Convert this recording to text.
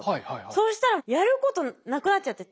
そうしたらやることなくなっちゃって。